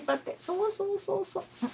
そうそうそうそう。